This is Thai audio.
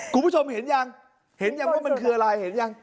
คุณผู้ชมเห็นยังเห็นยังว่ามันคืออะไรเห็นยัง